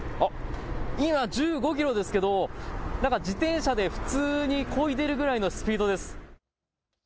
今１５キロですけど自転車で普通にこいでいるくらいのスピードです。